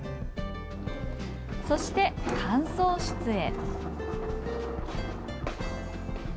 そして、乾燥室へ。